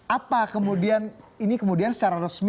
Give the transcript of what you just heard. apa kemudian ini kemudian secara resmi